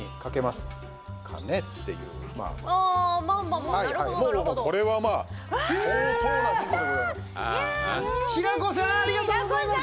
もうこれはまあ相当なヒントでございます。